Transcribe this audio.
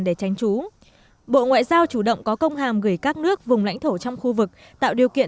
để tránh trú bộ ngoại giao chủ động có công hàm gửi các nước vùng lãnh thổ trong khu vực tạo điều kiện